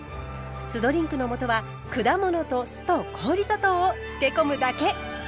酢ドリンクの素は果物と酢と氷砂糖を漬け込むだけ！